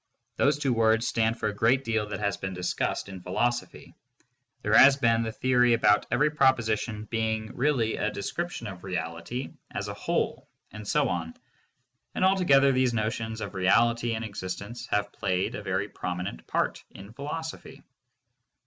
Those two words stand for a great deal that has been discussed in philosophy. There has been the theory about every proposition being really a description of reality as a whole and so on, and altogether these notions of reality and existence have played a very prominent part in phi losophy.